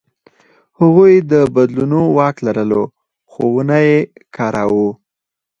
هغوی د بدلونو واک لرلو، خو ونه یې کاراوه.